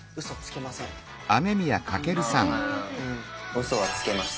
ウソはつけます。